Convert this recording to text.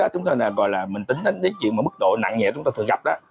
chúng tôi gọi là mình tính đến những chuyện mức độ nặng nhẹ chúng tôi thường gặp